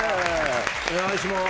お願いしまーす。